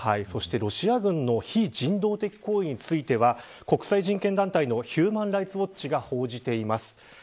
そしてロシア軍の非人道的行為については国際人権団体のヒューマンライツウォッチが報じています。